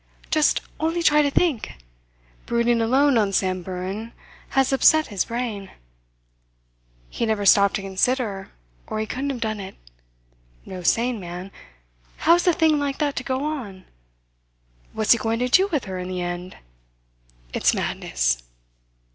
"Just only try to think! Brooding alone on Samburan has upset his brain. He never stopped to consider, or he couldn't have done it. No sane man ... How is a thing like that to go on? What's he going to do with her in the end? It's madness."